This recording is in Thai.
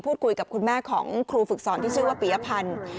คุยกับคุณแม่ของครูฝึกสอนที่ชื่อว่าปียพันธ์